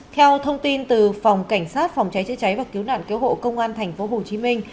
theo thông tin từ phòng cảnh sát phòng cháy chữa cháy và cứu nạn cứu hộ công an tp hcm